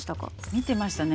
見てましたね。